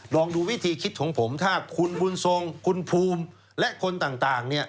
ลองดูวิธีคิดของผมถ้าคุณบุญทรงคุณภูมิและคนต่างเนี่ย